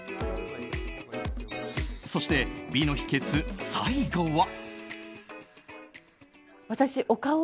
そして美の秘訣、最後は。